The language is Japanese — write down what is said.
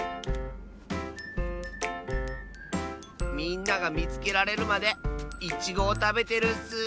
みんながみつけられるまでイチゴをたべてるッス！